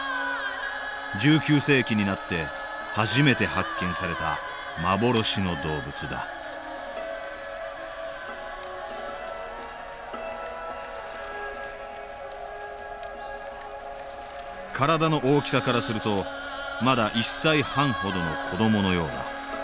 １９世紀になって初めて発見された幻の動物だ体の大きさからするとまだ１歳半ほどの子どものようだ。